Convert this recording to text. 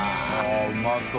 うまそう。